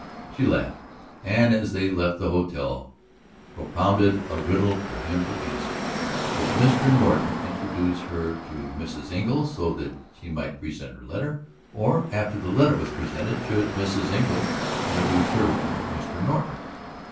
She laughed, and as they left the hotel, propounded a riddle for him to answer: Should Mr. Norton introduce her to Mrs. Engle so that she might present her letter, or, after the letter was presented, should Mrs. Engle introduce her to Mr. Norton?